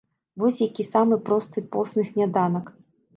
Вось які самы просты посны сняданак?